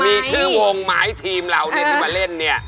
มีชื่อวงไหมทีมเราเนี่ยที่มาเล่นเนี่ย